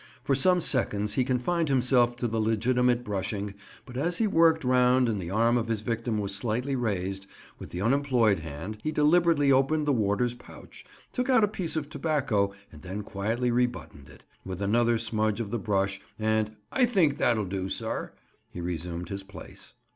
For some seconds he confined himself to the legitimate brushing, but as he worked round and the arm of his victim was slightly raised, with the unemployed hand he deliberately opened the warder's pouch, took out a piece of tobacco, and then quietly re buttoned it; with another smudge of the brush and "I think that'll do, sir," he resumed his place.